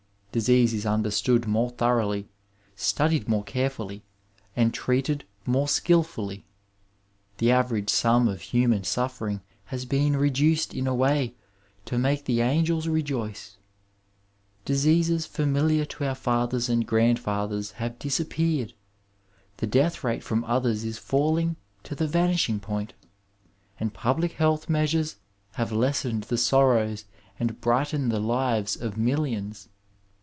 Disease is understood more thoroughly, studied more carefully and treated more skilfully. The average sum of human suf fering has been reduced in a way to make the angels re joice. Diseases fAmiliAr to our fathers and grandfathers have disappeared, the death rate from others is falling to the vanishing point, and public health measures have Digitized by Google CHAUVINISM IN MEDIOINB leflaened the sorrows and brightened the lives of miDioiis.